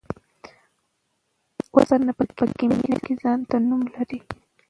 اوسپنه په کيميا کي ځانته نوم لري .